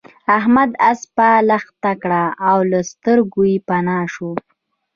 احمد اسپه لښته کړه او له سترګو پنا شو.